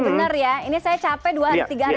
benar ya ini saya capek dua tiga hari